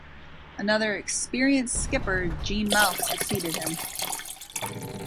Another experienced skipper, Gene Mauch, succeeded him.